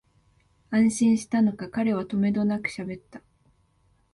安心したのか、彼はとめどなくしゃべった